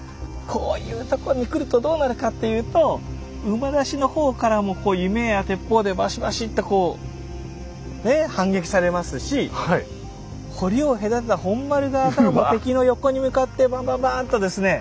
こういうとこに来るとどうなるかっていうと馬出しの方からもこう弓矢や鉄砲でバシバシッてこう反撃されますし堀を隔てた本丸側からも敵の横に向かってバンバンバーンとですね